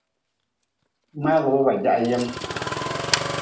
Mngaagʼbe ba jah yem.